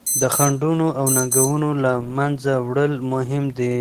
د خنډونو او ننګونو له منځه وړل مهم دي.